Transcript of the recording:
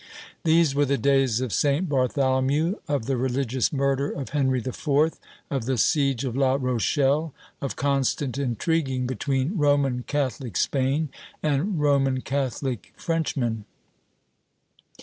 These were the days of St. Bartholomew, of the religious murder of Henry IV., of the siege of La Rochelle, of constant intriguing between Roman Catholic Spain and Roman Catholic Frenchmen.